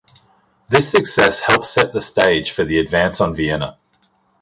This success helped set the stage for the advance on Vienna.